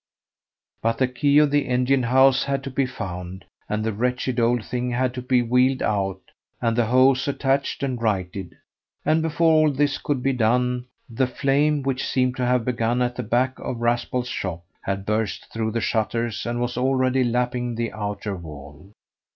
But the key of the engine house had to be found, and the wretched old thing had to be wheeled out, and the hose attached and righted; and before all this could be done the flame, which seemed to have begun at the back of Raspall's shop, had burst through the shutters, and was already lapping the outer wall.